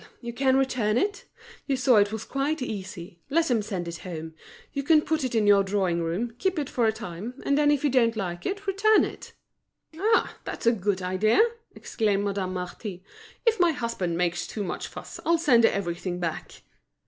you can return it. You saw it was quite easy. Let them send it home. You can put it in your drawing room, keep it for a time, then if you don't like it, return it." "Ah! that's a good idea!" exclaimed Madame Marty. "If my husband makes too much fuss, I'll send everything back."